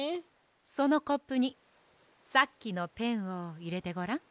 そのコップにさっきのペンをいれてごらん。